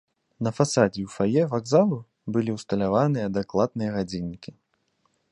На фасадзе і ў фае вакзалу былі ўсталяваныя дакладныя гадзіннікі.